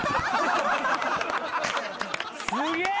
すげえ！